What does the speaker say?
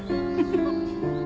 フフフ。